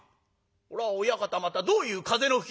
これは親方またどういう風の吹き回し？」。